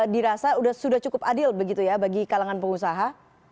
dirasa sudah cukup adil begitu ya bagi kalangan pengusaha